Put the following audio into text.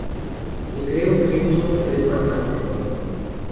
Se cree un genio, pero es bastante tonto.